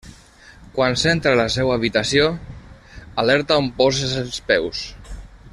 Quan s'entra a la seua habitació, alerta on poses els peus!